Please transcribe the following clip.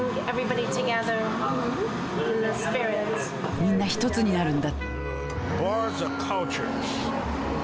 みんなひとつになるんだ。